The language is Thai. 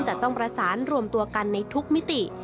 จะต้องประสานรวมตัวกันในทุกมิติ